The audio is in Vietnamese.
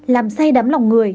làm say đắm lòng người